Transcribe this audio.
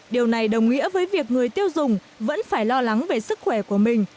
điều này đồng nghĩa với việc người tiêu dùng vẫn phải lo lắng về sức khỏe của mình